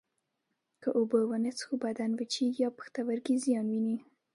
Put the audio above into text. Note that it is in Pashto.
که اوبه ونه څښو بدن وچېږي او پښتورګي زیان ویني